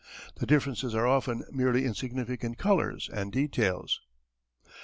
The differences are often merely insignificant colours and details.